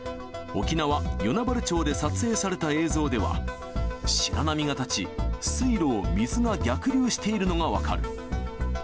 沖縄・与那原町で撮影された映像では、白波が立ち、水路を水が逆流しているのが分かる。